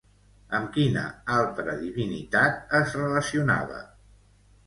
Amb quina altra divinitat es relacionava?